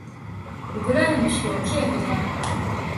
ウクライナの首都はキエフである